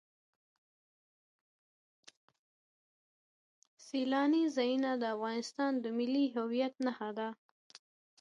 سیلاني ځایونه د افغانستان د ملي هویت نښه ده.